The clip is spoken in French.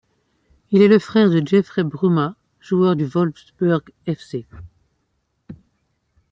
Il est le frère de Jeffrey Bruma, joueur du Wolfsburg Fc.